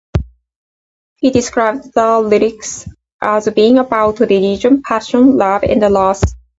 He described the lyrics as being about religion, passion, love, and loss.